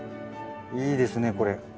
いいですねこれ。